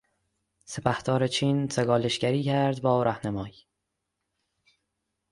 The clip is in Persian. سپهدار چین... سگالشگری کرد با رهنمای